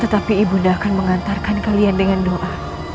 tetapi ibunda akan mengantarkan kalian dengan doa